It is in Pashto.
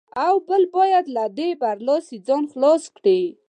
او بل باید له دې برلاسۍ ځان خلاص کړي.